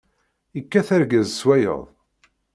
Ikkat argaz s wayeḍ.